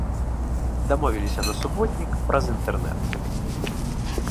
Дамовіліся на суботнік праз інтэрнэт.